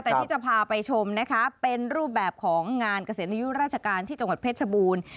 แต่ที่จะพาไปชมนะคะเป็นรูปแบบของงานเกษียณอายุราชการที่จังหวัดเพชรบูรณ์